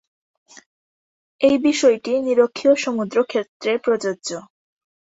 এই বিষয়টি নিরক্ষীয় সমুদ্র ক্ষেত্রে প্রযোজ্য।